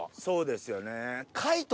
そうですよね。